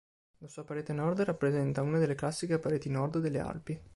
La sua parete nord rappresenta una delle classiche pareti nord delle Alpi.